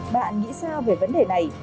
bạn nghĩ sao về vấn đề này